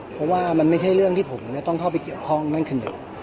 เพราะว่ามันไม่ใช่เรื่องที่ผมจะต้องเข้าไปเกี่ยวข้องนั่นคือหนึ่ง